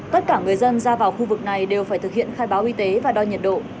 tất cả người dân ra vào khu vực này đều phải thực hiện khai báo y tế và đo nhiệt độ